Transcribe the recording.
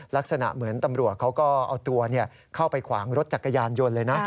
ลักษณะเหมือนตำรวจเขาก็เอาตัวเข้าไปขวางรถจักรยานยนต์เลยนะ